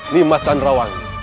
nimas dan rawang